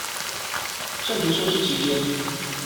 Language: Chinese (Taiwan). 暫停收視期間